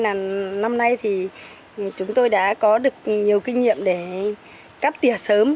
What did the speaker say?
năm nay thì chúng tôi đã có được nhiều kinh nghiệm để cấp tiệt sớm